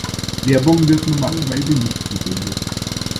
Werbung wird normalerweise nicht gesendet.